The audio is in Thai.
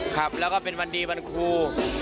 ครับแล้วก็เป็นวันดีวันครู